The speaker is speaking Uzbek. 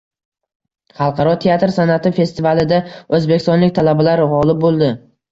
Xalqaro teatr san’ati festivalida o‘zbekistonlik talabalar g‘olib bo‘ldi